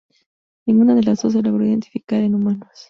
Ninguna de las dos se logró identificar en humanos.